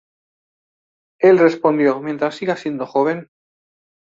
Él respondió: "mientras siga siendo joven!